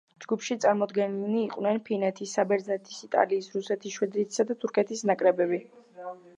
ჯგუფში წარმოდგენილნი იყვნენ ფინეთის, საბერძნეთის, იტალიის, რუსეთის, შვედეთისა და თურქეთის ნაკრებები.